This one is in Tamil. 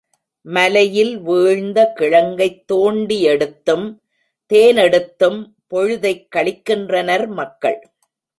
மலையில் வீழ்ந்த கிழங்கைத் தோண்டியெடுத்தும், தேனெடுத்தும் பொழுதைக் கழிக்கின்றனர் மக்கள்.